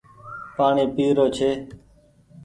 پآڻيٚ پي رو ڇي۔